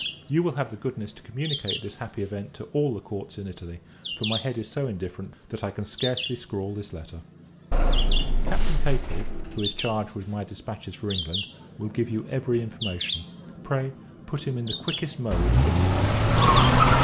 You will have the goodness to communicate this happy event to all the courts in Italy; for my head is so indifferent, that I can scarcely scrawl this letter. Captain Capel, who is charged with my dispatches for England, will give you every information. Pray, put him in the quickest mode of getting home.